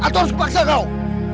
atau harus kupaksa kau